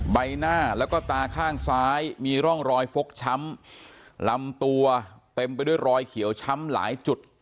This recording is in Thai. ใบหน้าแล้วก็ตาข้างซ้ายมีร่องรอยฟกช้ำลำตัวเต็มไปด้วยรอยเขียวช้ำหลายจุด